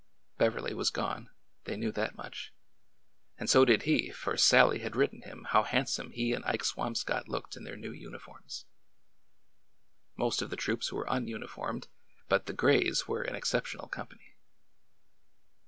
Beverly was gone— they knew that much— and so did he, for Sallie had written him how handsome he and Ike Swamscott looked in their new uniforms. Most of the troops were ununiformed, but the " Grays " were an exceptional company.